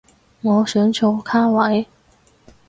我想坐卡位